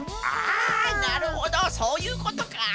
あなるほどそういうことか。